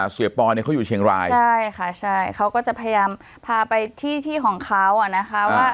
ปอเนี่ยเขาอยู่เชียงรายใช่ค่ะใช่เขาก็จะพยายามพาไปที่ที่ของเขาอ่ะนะคะว่า